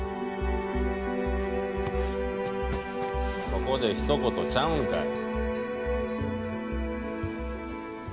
そこでひと言ちゃうんかい。